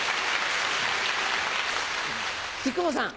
木久扇さん。